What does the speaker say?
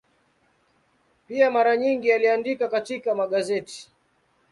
Pia mara nyingi aliandika katika magazeti.